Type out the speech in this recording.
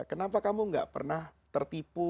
kenapa kamu gak pernah tertipu